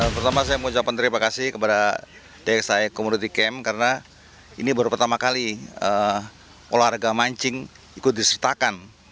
pertama saya mengucapkan terima kasih kepada deksai komoditi camp karena ini baru pertama kali olahraga mancing ikut disertakan